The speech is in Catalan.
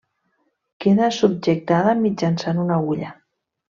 Queda subjectada mitjançant una agulla.